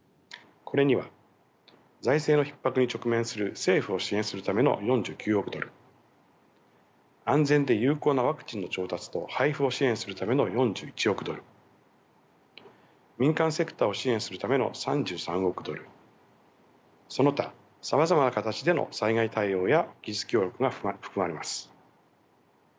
これには財政のひっ迫に直面する政府を支援するための４９億ドル安全で有効なワクチンの調達と配布を支援するための４１億ドル民間セクターを支援するための３３億ドルその他さまざまな形での災害対応や技術協力が含まれます。